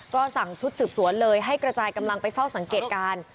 ก็สั่งชุดสืบสวนเลยให้กระจายกำลังไปเฝ้าสังเกตการณ์